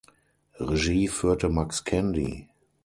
Regie führte Max Candy.